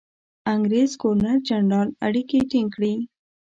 انګرېز ګورنرجنرال اړیکې ټینګ کړي.